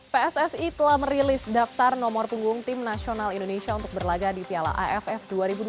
pssi telah merilis daftar nomor punggung tim nasional indonesia untuk berlaga di piala aff dua ribu dua puluh